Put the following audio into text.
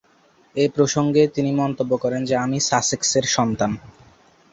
এ প্রসঙ্গে তিনি মন্তব্য করেন যে, আমি সাসেক্সের সন্তান।